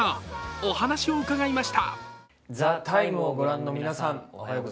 お話を伺いました。